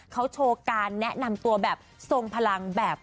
เขาโชว์การแนะนำตัวแบบทรงพลังแบบ